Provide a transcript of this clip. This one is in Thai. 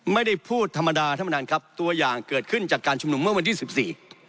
ไม่ได้พูดธรรมดาท่านประธานครับตัวอย่างเกิดขึ้นจากการชุมนุมเมื่อวันที่สิบสี่